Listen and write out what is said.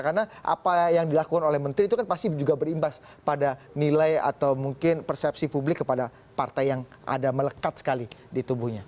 karena apa yang dilakukan oleh menteri itu kan pasti juga berimbas pada nilai atau mungkin persepsi publik kepada partai yang ada melekat sekali di tubuhnya